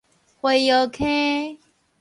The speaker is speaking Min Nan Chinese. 灰窯坑